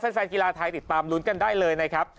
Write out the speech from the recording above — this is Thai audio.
แฟนกีฬาไทยติดตามลุ้นกันได้เลยนะครับ